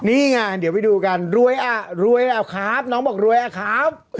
นี่ไงเดี๋ยวไปดูกันรวยอ่ะรวยหรือเปล่าครับน้องบอกรวยอะครับ